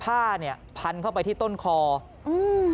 ผ้าเนี้ยพันเข้าไปที่ต้นคออืม